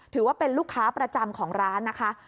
ถือว่าเป็นลูกค้าประจำของร้านนะคะ